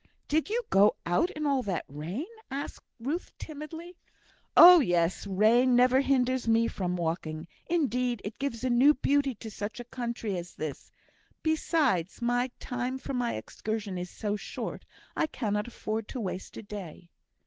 "Did you go out in all that rain?" asked Ruth, timidly. "Oh, yes. Rain never hinders me from walking. Indeed, it gives a new beauty to such a country as this. Besides, my time for my excursion is so short, I cannot afford to waste a day."